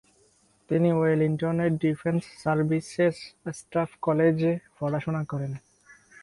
তিনি ওয়েলিংটনের defence services staff কলেজে পড়াশোনা করেন।